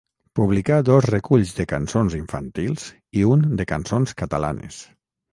Publicà dos reculls de cançons infantils i un de cançons catalanes.